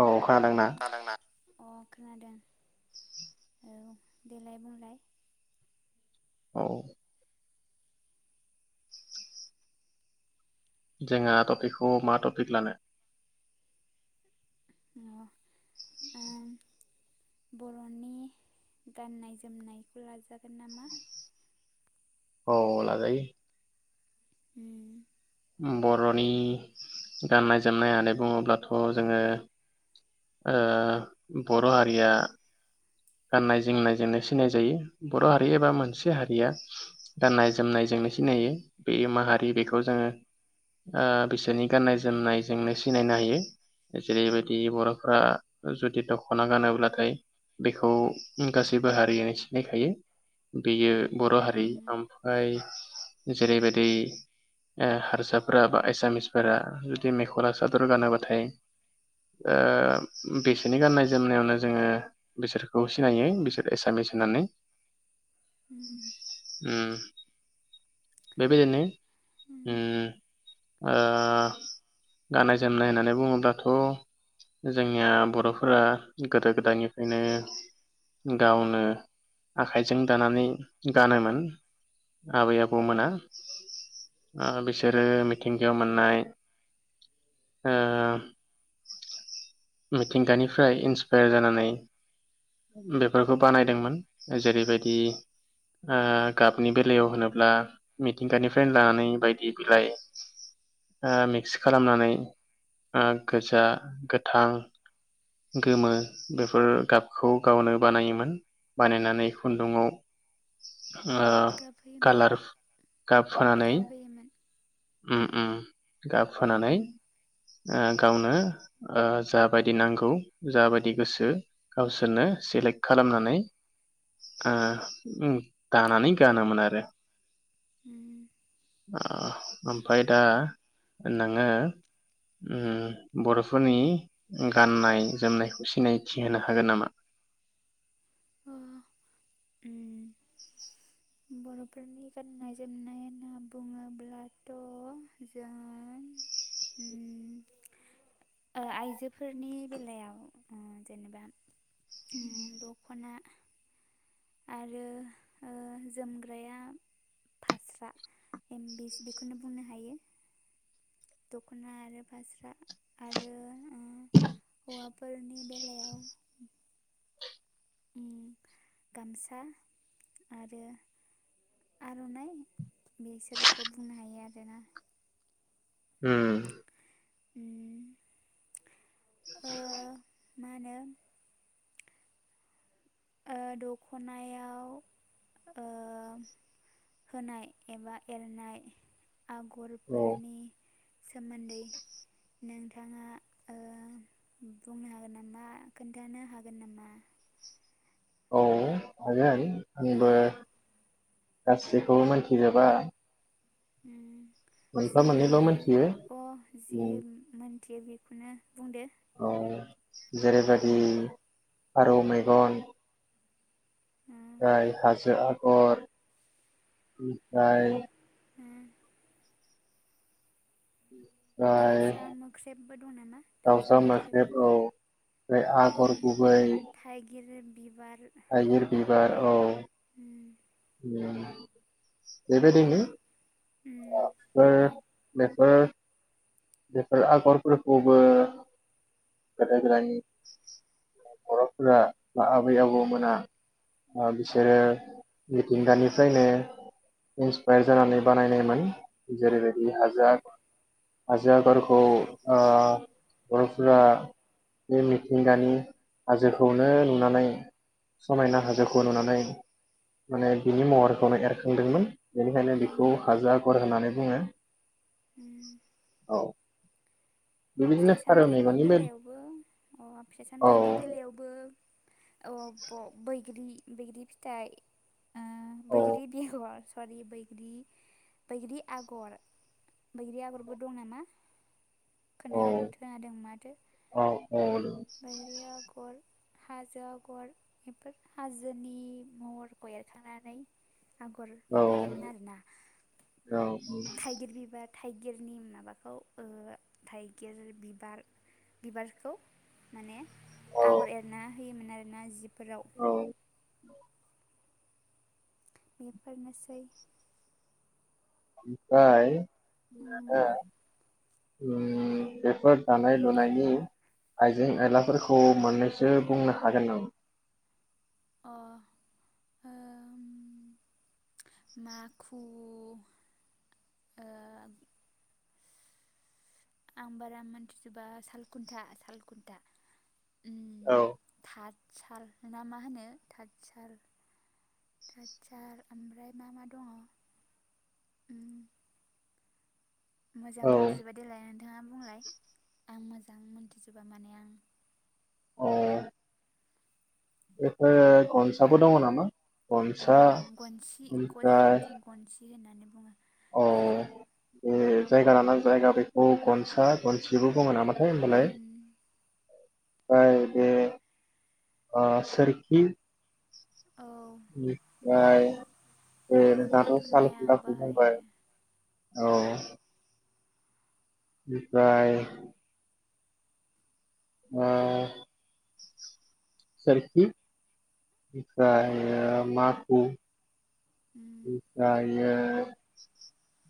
औ। खोनदोंना। खोनादोंना? अ खोनादों। [inaudible] देलाय बुंलाय। औ। जेङा टपिकखौ मा टपिक लानो। अ। [inaudible] बर'नि गाननाय जोमनायखौ लाजागोन नामा। औ लाजायो। उम। बर'नि गाननाय जोमनाय होननानै बुङोब्लाथ' जोङो ओ बर' हारिया गाननाय जोमनायजोंनो सिनाय जायो। बर' हारि एबा मोनसे हारिया गाननाय जोमनायजोंनो सिनायो। बे माहारि बेखौ जोङो बिसोरनि गाननाय जोमनायजोंनो सिनायनो हायो। जेरैबायदि बर'फ्रा जुदि दख'ना गानोब्लाथाय बेखौ गासैबो हारियानो सिनायखायो। बेयो बर' हारि उम ओमफ्राय जेरैबायदि ओ हारसाफोरा बा एसामिसफोरा जुदि मेखला सादर गानोब्लाथाय बिसोरनि गाननाय जोमनायावनो जोङो बिसोरखौ सिनायो बिसोर एसामिस होननानै। उम उम। बेबायदिनो उम ओ गाननाय जोमनाय होननानै बुङोब्लाथ' जोंनिया बर'फोरा गोदो गोदाय नो गावनो आखाइजों दानानै गानोमोन आबै आबौमोना। ओ बिसोरो मिथिंगायाव मोननाय ओ मिथिंगानिफ्राय इन्सपायार जानानै बेफोरखौ बानायदोंमोन। जेरैबायदि ओ गाबनि बेलायाव होनोब्ला मिथिंगानिफ्रायनो लानानै बायदि बिलाइ ओ मिक्स खालामनानै गोजा, गोथां, गोमो बेफोर गाबखौ गावनो बानायोमोन। बानायनानै खुन्दुंआव ओ गाबहोयोमोन कालार गाब होनानै गाबहोयोमोन उम उम। गाब उम होनानै ओ गावनो ओ जाबायदि नांगौ जाबायदि गोसो गावसोरनो सेलेक्ट खालामनानै ओ उम दानानै गानोमोन आरो। उम। ओ ओमफ्राय दा नोङो उम बर'फोरनि गाननाय जोमनायखौ सिनायथि होनो हागोन नामा? अ उम। बर'फोरनि गाननाय जोमनाय होनना बुङोब्लाथ' जों उम ओ आइजोफोरनि बेलायाव ओ जेनेबा उम दख'ना, आरो ओ जोमग्राया फास्रा एमबिस बेखौनो बुंनो हायो। दख'ना आरो फास्रा। आरो ओ हौवाफोरनि बेलायाव उम गामसा आरो आर'नाइ बिसोरखौ बुंनो हायो आरोना। उम। उम ओ मा होनो ओ दख'नायाव ओ होनाय एबा एरनाय औ आगरफोरनि सोमोन्दै नोंथाङा ओ बुंनो हागोन नामा खोन्थानो हागोन नामा? औ। हायो‌ हायो औ आंबो गासैखौबो मोन्थिजोबा। उम। जि मोनथियो अ जि उम मोन्थियो बि खौनो औ जेरैबादि उम फारौ मेगन ओ ओमफ्राय हाजो आगर ओमफ्राय ओ ओमफ्राय दाउसा मोख्रेबबो दं नामा? दाउसा मोख्रेब ओ आगर गुबै थाइगिर बिबार‌। थाइगिर बिबार औ। उम। [inaudible] बेबायदिनो उम बेफोर बे बेफोर बेफोर आगरफोरखौबो गोदो गोदायनि बर'फोरा बा आबै आबौमोना ओ बिसोरो मिथिंगानिफ्रायनो इन्सपायार जानानै बानायनायमोन। जेरैबायदि हाजो आगर, हाजो आगरखौ ओ बर'फोरा बे मिथिंगानि हाजोखौनो नुनानै समायना हाजोखौ नुनानै माने बिनि महरखौनो एरखांदोंमोन। बेनिखायनो बिखौ उम हाजो आगर होननानै बुंङो। उम। औ। बेबायदिनो फारौ फिथाइ-सामथाइनि मेगननि बे बेलायावबो अ औ फिथाइ-सामथाइनि बेलायावबो अ ब-बैग्रि-बैग्रि फिथाइ ओ औ बैग्रि बेगर बैग्रि आगर, बैग्रि आगरबो दं नामा? औ खोना-खोनादों माथो। औ बैग्रि आगर, हाजो आगर बेफोर हाजोनि महरखौ एरखांनानै आगर औ एरोमोन आरोना। औ थाइगिर बिबार थाइगिरनि माबाखौ ओ थाइगिर बिबार-बिबारखौ माने औ आगर एरना होयोमोन आरोना जि फोराव [unintelligible] बेफोरनोसै। ओमफाय नोङो उम उम बेफोर दानाय-लुनायनि, आइजें-आयलाफोरखौ मोननैसो बुंनो हागोन नामा? अ ओ माखु ओ आं बारा मिथिजोबा सालखुन्था-सालखुन्था औ थार साल ना मा होनो थानसाल थानसाल ओमफ्राय मा मा दङ? मोजां औ मोनथिजोबा देलाय नोंथाङा बुंलाय। आं मोजां मोनथिजोबा माने आं। अ बेफोर गनसाबो दङ नामा? अ गनसा गनसि ग जों ओमफ्राय थिं गनसि होननानै औ [unintelligible] बेखौ बे जायगा लाना जायगा बेखौ गनसा गनसिबो बुङो नामा? होमबालाय उम आरो बे सोरखि औ उम। ओमफ्राय बे खुन्दुं दाथ' साल थुननाया खुनथाखौ बाहायो बुंबाय अ औ। ओमफ्राय ओ सोरखि उम बिफ्राययो मा उ उम उमफ्रायो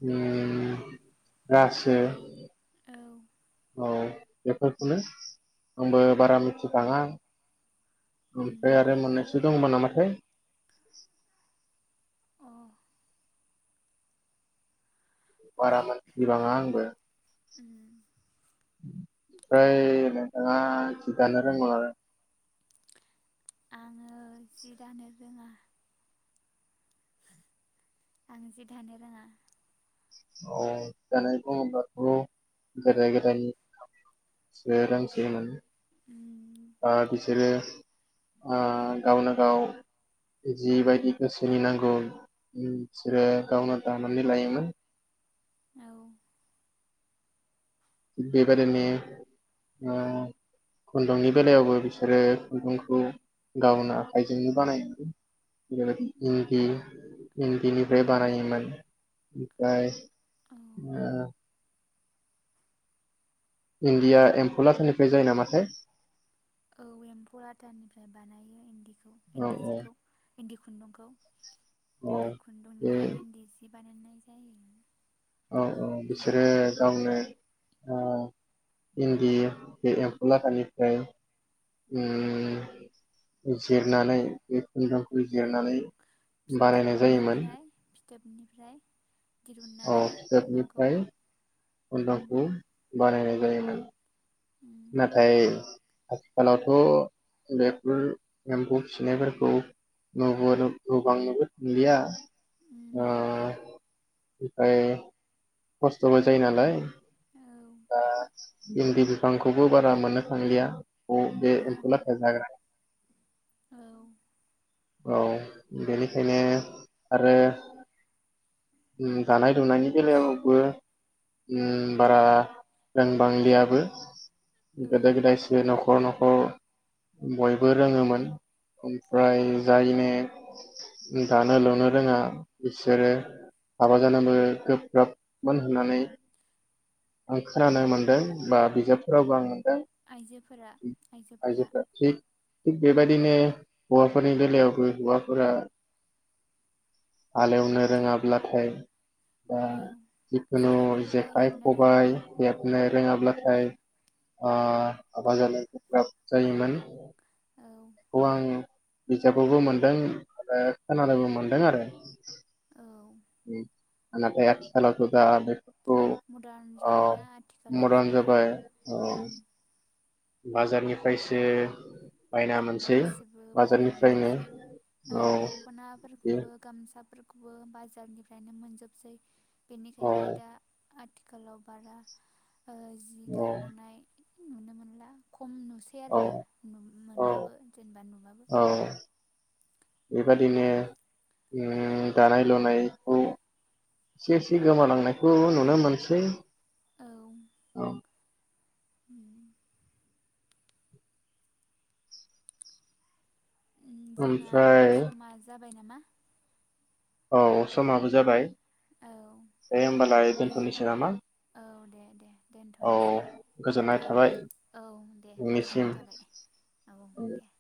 [unintelligible] रासो औ औ बेफोरखौनो आंबो बारा मिथि बाङा। ओमफ्राय उम आरो मोननैसो दंबो नामाथाय अ बारा मोनथि बाङा आंबो। उम फ्राय नोंथाङा जि दानो रोंगौ ना रो आङो जि दानो रोङा आं जि दानो रोङा औ दानाय बुङोब्लाथ' गोदो गोदाय [unintelligible] सो रोंसोयोमोन। उम ओ बिसोरो ओ गावनो गाव जिबायदि गोसोनि नांगौ बिसोरो गावनो दानानै लायोमोन। औ बेबायदिने ओ खुनदुंनि बेलायावबो बिसोरो खुनदुंखौ गावनो आखाइजोंनो बानायो [unintelligible] इनदि इनदिनिफ्राय उम बानायोमोन। [unintelligible] फ्राय औ ओ इनदिया एमफौ लाथानिफ्राय जायो नामाथाय औ एम्फौ लाथानिफ्राय बानायो इनदिखौ औ इनदि औ जिखौ। इन्दि खुन्दुंखौ औ इन्दि बे खुन्दुंनिफ्राय इन्दि जिब बानायनाय जायो। औ औ बिसोरो गावनो ओ इन्दि बे एम्फौ लाथानिफ्राय उम जिरनानै बे खुन्दामखौ उम जिरनानै बानायनाय जायोमोन थोबनिफ्राय अ फिथोबनिफ्राय खुन्दुंखौ उम बानायनाय जायो‌नो उम नाथाय आथिखालावथ' बेफोर एम्फौ फिसिनायफोरखौ [unintelligible] नुबांनोबो मोनलिया। उम ओ ओमफाय खस्थ'बो जायो नालाय ओ दा इन्दि बिफांखौबो बारा मोननो थांलिया। अ बे एम्फौ लाथा जाग्रा औ [unintelligible] औ बेनिखायनो आरो ओम दानाय लुनायनि बेलायावबो ओम बारा रोंबांलियाबो। औ गोदो गोदाय सो न'खर न' ख'र बयबो रोङोमोन ओमफाय जायनो दानो लुनो रोङा बिसोरो हाबा जानोबो गोब्राबमोन होननानै आं औ खोनानो मोनदों बा बिजाब फोराव आं [unintelligible] आइजोफोरा आइजोफोरा आइजोफ्रा थि थिग उम बेबायदिनो हौवाफो नि बेलायावबो हौवाफोरा हालेवनो रोङाब्लाथाय बा औ जिखुनु जेखाइ खबाइ जेखाइ हेबनो रोङाबा खबाय हेबनो रोङाब्लाथाय ओ हाबा जानो गोब्राब जायोमोन। औ बिजाबखौबो मोनदों आरो खोनानायबो मोनदों आरो। औ ओम नाथाय आथिखालाव दा बे मडार्न जाबायना आथिखालाव मदार्न जुगा ओं। बाजारनिफाय सो गासिबो बायना बाजारनिफ्रायनो मोनजोबसै ओ औ बे दख'नाफोरखौबो गामसाफोर खौबो बाजारनिफ्रायनो मोनजोबसै। औ बेनिखायनो दा आथिखालाव बारा ओ जि औ दाबांनाय नुनो मोनला। ख म नुसै औ आरोना। औ मो-मोनबाबो जेनेबा नुबाबो औ बेबादिनो ओम दानाय लुनायखौ एसे एसे गोमालांनायखौ नुनो मोनसै। औ। उम। जोंना ओमफ्राय समा जाबाय नामा? औ समाबो जाबाय। औ दे होमबालाय दे दोनथ'नोसै नामा औ दे दे औ दोनथ'नोसै गोजोननाय औ थाबाय दे औ दे नोंनिसिम गोजोननाय थाबाय औ दे।